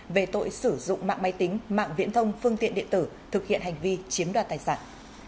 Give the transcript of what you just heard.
về tội sử dụng mạng máy tính mạng viễn thông phương tiện điện tử thực hiện hành vi chiếm đoạt tài sản